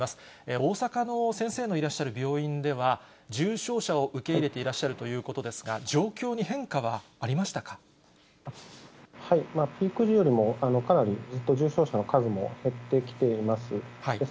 大阪の先生のいらっしゃる病院では、重症者を受け入れていらっしゃるということですが、状況に変化はピーク時よりも、かなりずっと重症者の数も減ってきています。